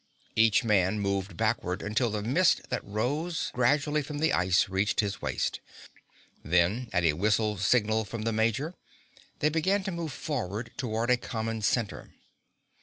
Each man moved backward until the mist that rose gradually from the ice reached his waist. Then, at a whistle signal from the major, they began to move forward toward a common center.